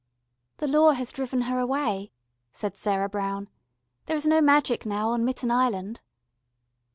"The law has driven her away," said Sarah Brown. "There is no magic now on Mitten Island."